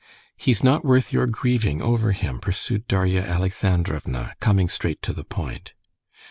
"He's not worth your grieving over him," pursued Darya Alexandrovna, coming straight to the point.